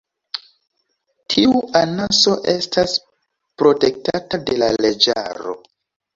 Tiu anaso estas protektata de la leĝaro.